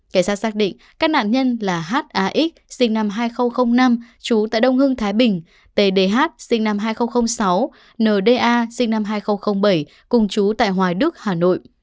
cảnh sát xác định các nạn nhân là h a x sinh năm hai nghìn năm chú tại đông hưng thái bình t d h sinh năm hai nghìn sáu n d a sinh năm hai nghìn bảy cùng chú tại hoài đức hà nội